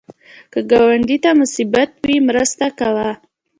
که ګاونډي ته مصیبت وي، مرسته کوه